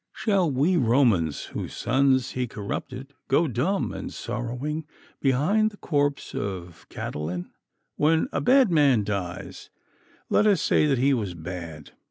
_ Shall we Romans, whose sons he corrupted, go dumb and sorrowing behind the corpse of Catiline? When a bad man dies, let us say that he was bad.